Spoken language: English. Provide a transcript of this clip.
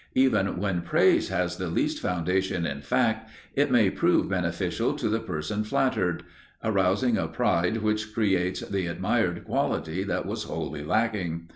Even when praise has the least foundation in fact, it may prove beneficial to the person flattered, arousing a pride which creates the admired quality that was wholly lacking.